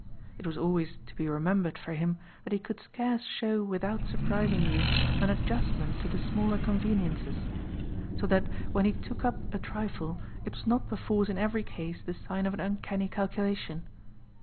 It was always to be remembered for him that he could scarce show without surprising you an adjustment to the smaller conveniences; so that when he took up a trifle it was not perforce in every case the sign of an uncanny calculation.